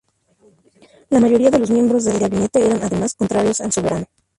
La mayoría de los miembros del gabinete eran, además, contrarios al soberano.